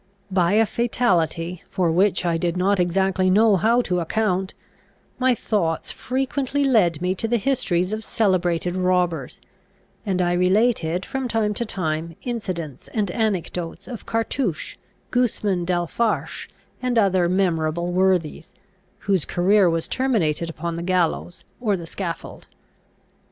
By a fatality, for which I did not exactly know how to account, my thoughts frequently led me to the histories of celebrated robbers; and I related, from time to time, incidents and anecdotes of Cartouche, Gusman d'Alfarache, and other memorable worthies, whose career was terminated upon the gallows or the scaffold.